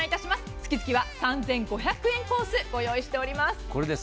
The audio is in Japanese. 月々は３５００円コースをご用意しております。